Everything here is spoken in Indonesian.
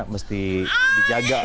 mesti dijaga gitu ya